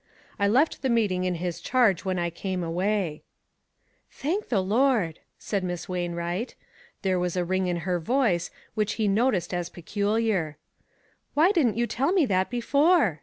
I left the meeting in his charge when I came away." A NIGHT TO REMEMBER. 503 "Thank the Lord!" said Miss Wain wright. There was a ring in her voice, which he noticed as peculiar. "Why didn't you tell me that before